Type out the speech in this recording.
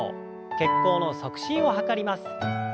血行の促進を図ります。